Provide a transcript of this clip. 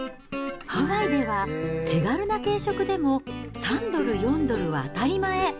ハワイでは手軽な軽食でも３ドル、４ドルは当たり前。